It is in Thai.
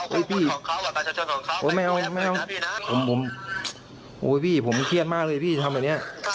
ไม่ได้นะพี่นะที่ตอน